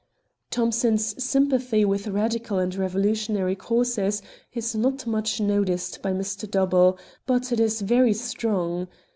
Thomson's sympathy with radical and revolutionary causes is not much noticed by Mr. Dobell, but it was very strong.